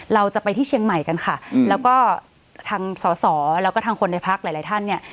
เราจะไปที่เชียงใหม่กันค่ะแล้วก็ทางสอสอแล้วก็ทางคนในพักหลายหลายท่านเนี่ย